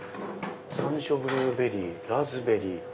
「山椒ブルーベリー」「ラズベリー」。